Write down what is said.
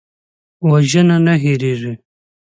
وژنه نه هېریږي